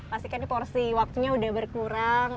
pasti kan porsi waktunya sudah berkurang